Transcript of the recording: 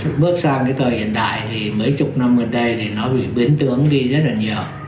bước sang cái thời hiện đại thì mấy chục năm gần đây thì nó bị biến tướng đi rất là nhiều